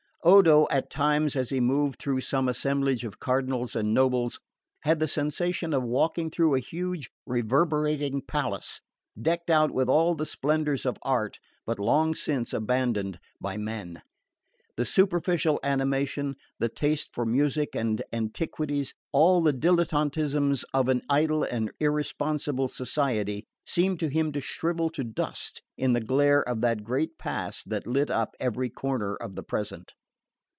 Odo, at times, as he moved through some assemblage of cardinals and nobles, had the sensation of walking through a huge reverberating palace, decked out with all the splendours of art but long since abandoned of men. The superficial animation, the taste for music and antiquities, all the dilettantisms of an idle and irresponsible society, seemed to him to shrivel to dust in the glare of that great past that lit up every corner of the present.